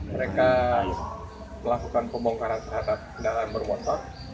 mereka melakukan pembongkaran terhadap kendaraan bermotor